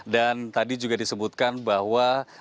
dan tadi juga disebutkan bahwa